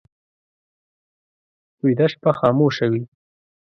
ویده شپه خاموشه وي